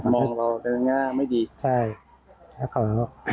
มองเราเงินง่าไม่ดีใช่แล้วเขา